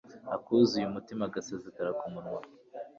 Akuzuye umutima gasesekara ku munwa